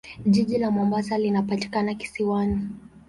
Jiji la Mombasa linapatikana kisiwani.